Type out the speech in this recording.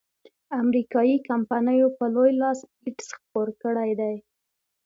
امریکایي کمپینو په لوی لاس ایډز خپور کړیدی.